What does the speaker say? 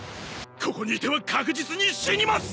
ここにいては確実に死にます！